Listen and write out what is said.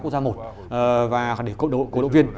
quốc gia một và để cố động viên